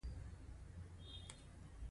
کاک د پاستي هغې ډوډۍ ته وايي چې په تبخي پخیږي